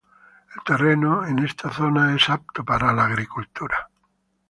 El terreno en esta zona es apto para la agricultura.